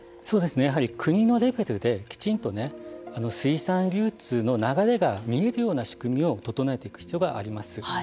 やはり国のレベルできちんと水産流通の流れが見えるような仕組みを整えていく必要があります。